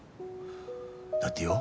だってよ